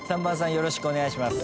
よろしくお願いします。